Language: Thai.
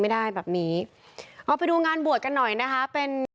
ไม่ได้แบบนี้เอาไปดูงานบวชกันหน่อยนะคะเป็น